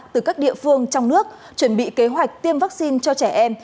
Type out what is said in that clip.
từ các địa phương trong nước chuẩn bị kế hoạch tiêm vaccine cho trẻ em